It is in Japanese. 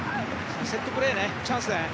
セットプレーねチャンスだよね。